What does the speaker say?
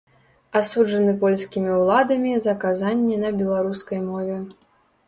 Асуджаны польскімі ўладамі за казанні на беларускай мове.